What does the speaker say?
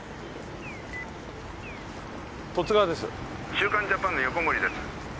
『週刊ジャパン』の横森です。